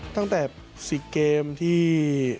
ตั้งแต่๔เกมที่